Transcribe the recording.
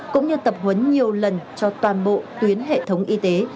cũng như tập huấn nhiều lần cho toàn bộ tuyến hệ thống y tế